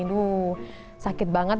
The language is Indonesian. aduh sakit banget